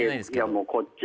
もうこっちだよ